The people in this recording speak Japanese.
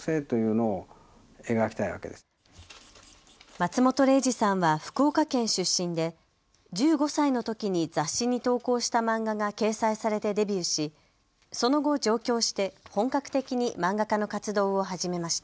松本零士さんは福岡県出身で１５歳のときに雑誌に投稿した漫画が掲載されてデビューしその後、上京して本格的に漫画家の活動を始めました。